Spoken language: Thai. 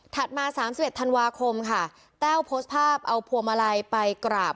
ถัดมาสามสิบเอ็ดธันวาคมค่ะแต้วโพสต์ภาพเอาพัวมาลัยไปกราบ